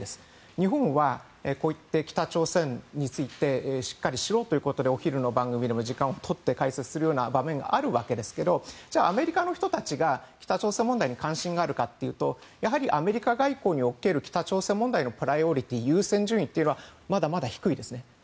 日本は、北朝鮮についてしっかり知ろうということでお昼の番組でも時間をとって解説する場面があるわけですがアメリカの人たちが北朝鮮問題に関心があるかというとアメリカ外交における北朝鮮問題のプライオリティー優先順位はまだまだ低いです。